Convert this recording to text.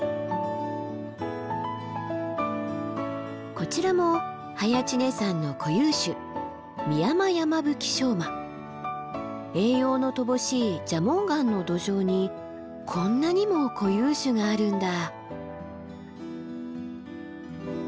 こちらも早池峰山の固有種栄養の乏しい蛇紋岩の土壌にこんなにも固有種があるんだ。